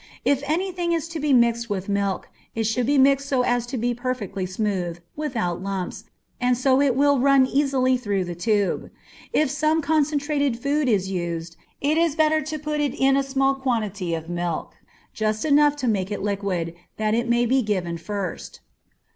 If any thing is to be mixed with milk, it should be mixed so as to be perfectly smooth, without lumps, and so it will run easily through the tube. If some concentrated food is used, it is better to put it in a small quantity of milk, just enough to make it liquid, that it may be given first.